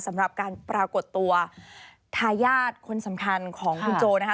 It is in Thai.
สำหรับการปรากฏตัวทายาทคนสำคัญของคุณโจนะคะ